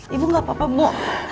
ibu gak apa apa bu